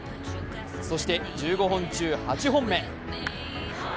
そして、１５本中８本目。